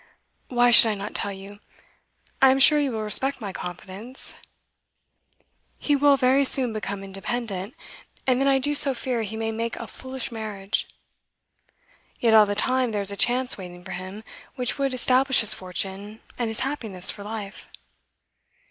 Why should I not tell you? I am sure you will respect my confidence. He will very soon become independent, and then I do so fear he may make a foolish marriage. Yet all the time there is a chance waiting for him which would establish his fortune and his happiness for life.